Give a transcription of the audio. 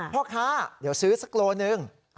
พ่อค้าเดี๋ยวซื้อสักโลหนึ่ง